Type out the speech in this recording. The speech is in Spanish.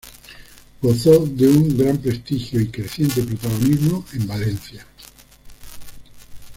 Gozó de un gran prestigio y creciente protagonismo en Valencia.